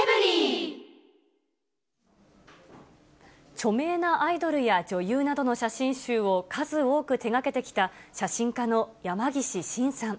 著名なアイドルや女優などの写真集を数多く手がけてきた写真家の山岸伸さん。